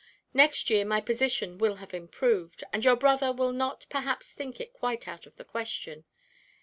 Next year my position will have improved, and your brother will not perhaps think it quite out of the question.